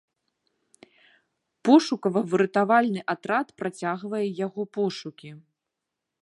Пошукава-выратавальны атрад працягвае яго пошукі.